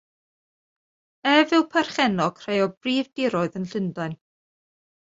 Ef yw perchennog rhai o brif diroedd yn Llundain.